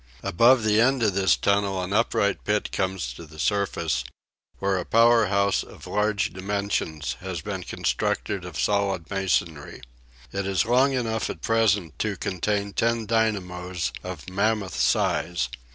Above the end of this tunnel an upright pit comes to the surface, where a power house of large dimensions has been constructed of solid masonry. It is long enough at present to contain ten dynamos of mammoth size.